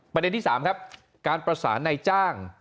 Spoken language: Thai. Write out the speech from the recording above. ประเด็นที่๓ครับการประสานในจ้าง